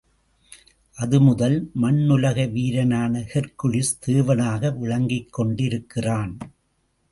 அது முதல் மண்ணுலக வீரனான ஹெர்க்குலிஸ் தேவனாக விளங்கிக்கொண்டிருக்கிறான்.